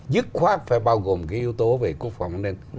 dứt khoát phải bao gồm cái yếu tố về quốc phòng an ninh